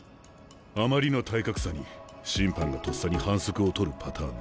あまりの体格差に審判がとっさに反則を取るパターンだ。